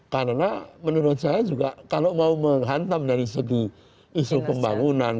karena menurut saya juga kalau mau menghantam dari segi isu pembangunan